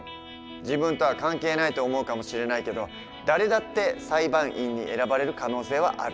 自分とは関係ないと思うかもしれないけど誰だって裁判員に選ばれる可能性はある。